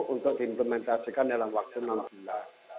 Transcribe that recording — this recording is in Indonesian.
untuk diimplementasikan dalam waktu enam bulan